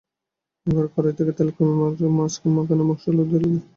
এবার কড়াই থেকে তেল কমিয়ে মাখানো মসলা ঢেলে দিয়ে নেড়ে নিন।